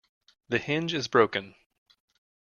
The hinge is broken.